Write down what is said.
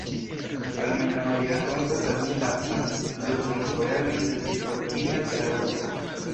Almenaŭ li rakontas al ni lastan, luksan vojaĝon de tri porkinoj tra Eŭropo.